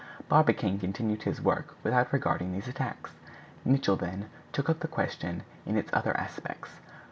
Barbicane continued his work without regarding these attacks. Nicholl then took up the question in its other aspects.